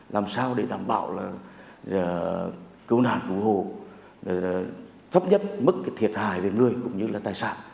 làm sao để đảm bảo là cứu nạn cứu hộ thấp nhất mức thiệt hại về người cũng như là tài sản